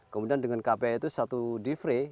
kemudian dengan kph itu satu difrei